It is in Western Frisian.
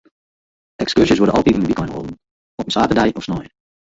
Ekskurzjes wurde altyd yn it wykein holden, op in saterdei of snein.